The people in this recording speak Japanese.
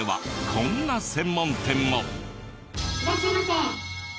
こんな専門店も。